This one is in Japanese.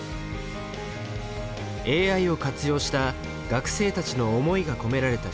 ＡＩを活用した学生たちの思いが込められた新技術。